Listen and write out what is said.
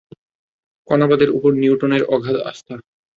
কণাবাদের ওপর নিউটনের অগাধ আস্থা।